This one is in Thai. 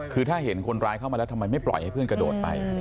คือถ้าเห็นคนร้ายเข้ามาแล้วทำไมไม่ปล่อยให้เพื่อนกระโดดไป